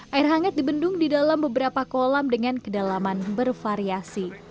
air hangat dibendung di dalam beberapa kolam dengan kedalaman bervariasi